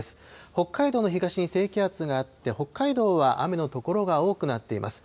北海道の東に低気圧があって、北海道は雨の所が多くなっています。